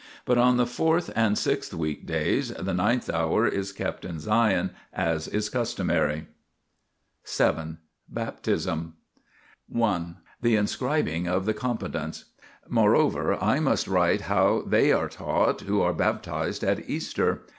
But on the fourth and sixth weekdays, the ninth hour is kept in Sion as is customary. VII BAPTISM * I. The Inscribing of the Competents. Moreover, I must write how they are taught who are baptised at Easter.